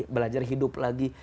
belajar hidup lagi